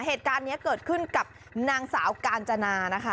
เหตุการณ์นี้เกิดขึ้นกับนางสาวกาญจนานะคะ